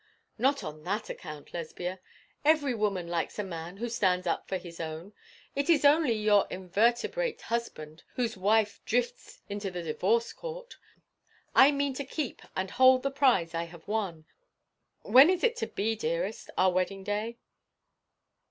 'Not on that account, Lesbia: every woman likes a man who stands up for his own. It is only your invertebrate husband whose wife drifts into the divorce court. I mean to keep and hold the prize I have won. When is it to be, dearest our wedding day?'